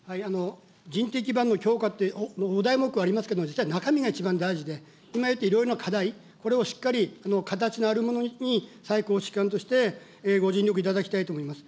人的基盤の強化というお題目はありますけど、実は中身が一番大事で、今言ったいろいろな課題、これをしっかり形のあるものに、最高指揮官として、ご尽力いただきたいと思います。